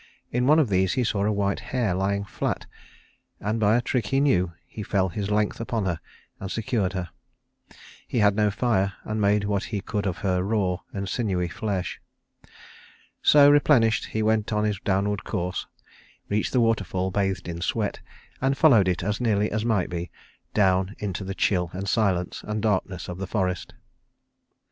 In one of these he saw a white hare lying flat, and by a trick he knew he fell his length upon her and secured her. He had no fire, and made what he could of her raw and sinewy flesh. So replenished, he went on his downward course, reached the waterfall bathed in sweat, and followed it as nearly as might be down into the chill and silence and darkness of the forest.